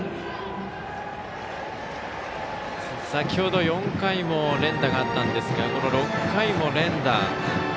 先ほど４回も連打があったんですがこの６回も連打。